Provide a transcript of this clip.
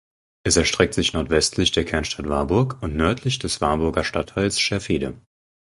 Es erstreckt sich nordwestlich der Kernstadt Warburg und nördlich des Warburger Stadtteils Scherfede.